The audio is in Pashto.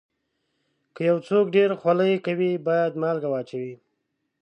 که یو څوک ډېر خولې کوي، باید مالګه واچوي.